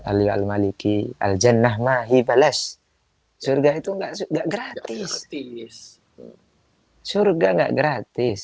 tahtil almaliki al jannah mahi bales surga itu enggak su paperwork ha half court ganak gratis